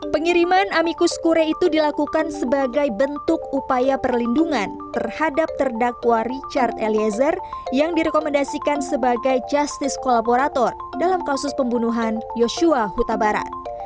pengiriman amikus kure itu dilakukan sebagai bentuk upaya perlindungan terhadap terdakwa richard eliezer yang direkomendasikan sebagai justice kolaborator dalam kasus pembunuhan yosua huta barat